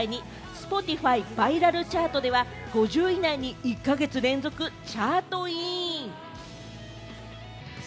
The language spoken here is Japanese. Ｓｐｏｔｉｆｙバイラルチャートでは、５０位以内に１か月連続チャートイン！